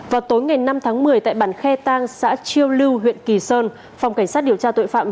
vào tối ngày năm tháng một mươi tại bản khe tang xã chiêu lưu huyện kỳ sơn phòng cảnh sát điều tra tội phạm